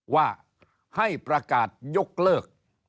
ว่าให้ประกาศยกเลิก